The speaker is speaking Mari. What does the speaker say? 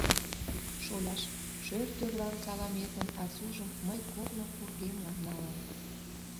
Шоляш, шӧр тӱрван саламетын асужым мый корно кургемла налам.